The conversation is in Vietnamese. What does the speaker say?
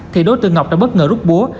thì đối tượng ngọc đã bất ngờ rút búa